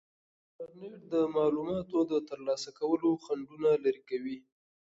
انټرنیټ د معلوماتو د ترلاسه کولو خنډونه لرې کوي.